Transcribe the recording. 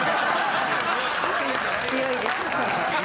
強いです。